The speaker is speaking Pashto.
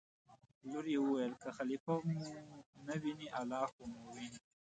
لور یې وویل: که خلیفه مو نه ویني الله خو مو ویني.